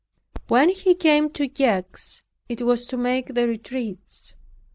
When he came to Gex, it was to make the retreats.